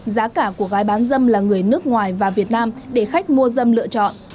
giá cả của gái bán dâm là người nước ngoài và việt nam để khách mua dâm lựa chọn